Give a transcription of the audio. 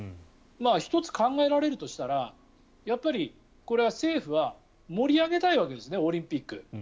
１つ考えられるとしたらやっぱり、これは政府は盛り上げたいわけですねオリンピック。